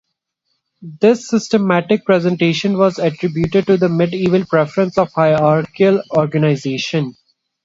This systematic presentation was attributed to the Medieval preference for hierarchal organization.